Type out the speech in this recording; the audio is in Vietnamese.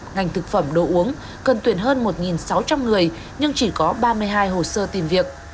ngành thực phẩm đồ uống cần tuyển hơn một sáu trăm linh người nhưng chỉ có ba mươi hai hồ sơ tìm việc